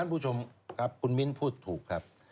คุณผู้ชมครับคุณมิ้นพูดถูกครับ